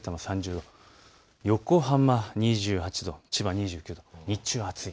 横浜２８度、千葉２９度、日中は暑い。